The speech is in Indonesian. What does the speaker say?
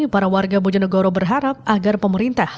para warga bojonegoro berharap agar pemerintah